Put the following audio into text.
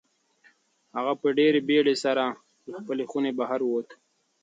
هغه په ډېرې بېړۍ سره له خپلې خونې بهر ووت.